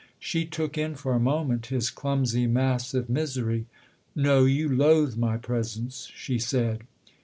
She took in for a moment his clumsy, massive misery. " No you loathe my presence," she said.